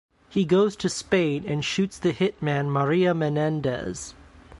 He goes to Spain and shoots the hitman Maria Menendez.